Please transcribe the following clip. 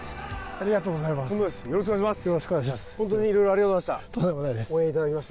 ありがとうございます。